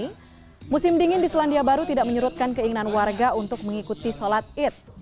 di musim dingin di selandia baru tidak menyerutkan keinginan warga untuk mengikuti sholat id